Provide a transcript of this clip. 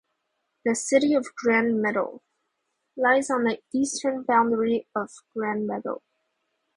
The city of Grand Meadow, lies on the eastern boundary of Grand Meadow.